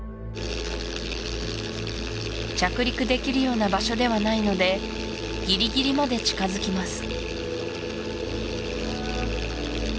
着陸できるような場所ではないのでギリギリまで近づきます